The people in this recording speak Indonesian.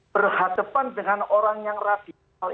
berhadapan dengan orang yang radikal